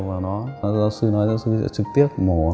giáo sư nói giáo sư sẽ trực tiếp mổ